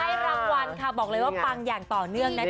รางวัลค่ะบอกเลยว่าปังอย่างต่อเนื่องนะจ